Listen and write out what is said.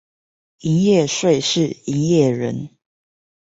營業稅是營業人